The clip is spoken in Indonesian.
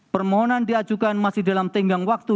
permohonan diajukan masih dalam tenggang waktu